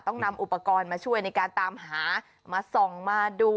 ต้องนำอุปกรณ์มาช่วยในการตามหามาส่องมาดู